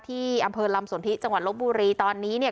ที่อำเภอลำสนทิจังหวัดลบบุรีตอนนี้เนี่ย